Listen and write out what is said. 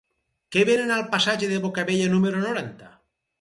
Què venen al passatge de Bocabella número noranta?